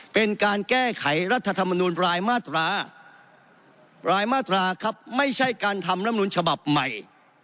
เป็นการแก้ไขรัฐธรรมนุนรายมาตรารายมาตราครับไม่ใช่การทำลำนูลฉบับใหม่